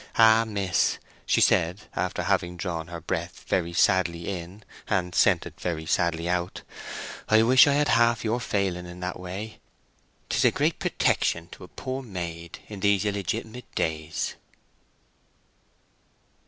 Ah! miss," she said, after having drawn her breath very sadly in and sent it very sadly out, "I wish I had half your failing that way. 'Tis a great protection to a poor maid in these illegit'mate days!"